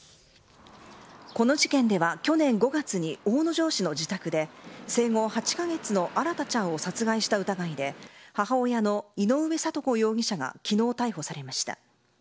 この事件では去年５月に大野城市の自宅で生後８カ月の新大ちゃんを殺害した疑いで母親の井上徳子容疑者が昨日、逮捕されました。